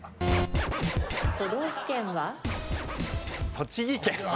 栃木県。